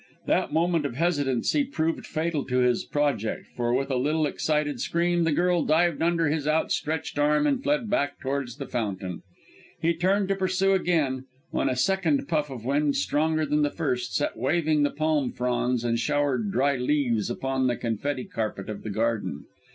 That moment of hesitancy proved fatal to his project, for with a little excited scream the girl dived under his outstretched arm and fled back towards the fountain. He turned to pursue again, when a second puff of wind, stronger than the first, set waving the palm fronds and showered dry leaves upon the confetti carpet of the garden.